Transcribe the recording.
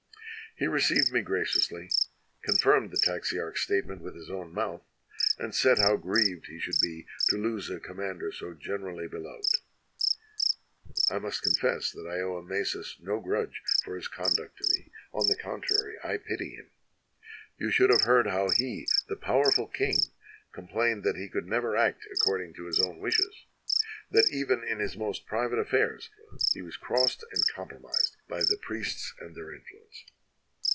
"He received me graciously, confirmed the Taxiarch's statement with his own mouth, and said how grieved he should be to lose a commander so generally beloved. I must confess that I owe Amasis no grudge for his con duct to me; on the contrary, I pity him. You should have heard how he, the powerful king, complained that he could never act according to his own wishes, that even in his most private affairs he was crossed and com promised by the priests and their influence.